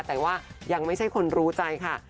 แต่ว่ายังไม่ใช่คนรู้ใจค่ะ